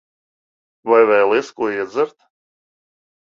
Vai vēlies ko iedzert?